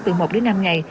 từ một đến năm ngày